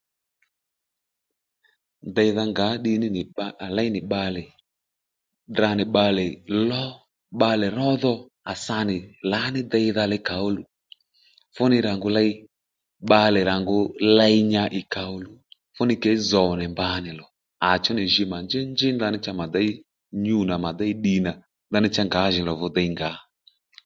Déydha ngǎ ddiy ní nì bba à léy nì bbalè tdra nì bbalè ló bbalè ró dho à sa nì lǎní deydha li kàóddù fúnì rà ngu ley bbalè rà ngu ley nya ì kàóluw fúnì kě zòw nì mbǎ nì lò à chú nì jì mà njěy njí mà déy nyû nà mà déy ddiy nà ndaní cha ngǎjìní lò dho dey ngǎ